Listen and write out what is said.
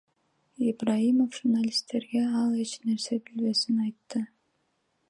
Ибраимов журналисттерге ал эч нерсе билбесин айтты.